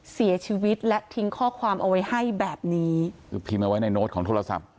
เสียชีวิตและทิ้งข้อความเอาไว้ให้แบบนี้คือพิมพ์เอาไว้ในโน้ตของโทรศัพท์